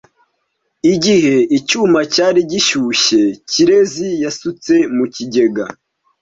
Igihe icyuma cyari gishyushye, Kirezi yasutse mu kigega